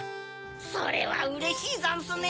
それはうれしいざんすね。